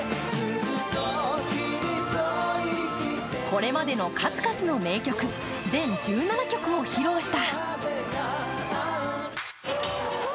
これまでの数々の名曲全１７曲を披露した。